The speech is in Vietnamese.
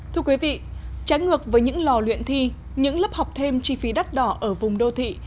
thưa quý vị trái ngược với những lò luyện thi những lớp học thêm chi phí đắt đỏ ở vùng đô thị